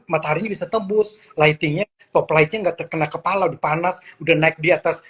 matahari bisa tebus lightingnya poplightnya enggak terkena kepala dipanas udah naik di atas